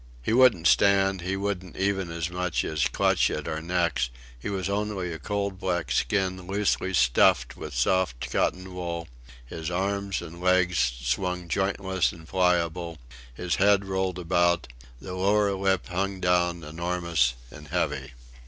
He wouldn't stand; he wouldn't even as much as clutch at our necks; he was only a cold black skin loosely stuffed with soft cotton wool; his arms and legs swung jointless and pliable; his head rolled about; the lower lip hung down, enormous and heavy.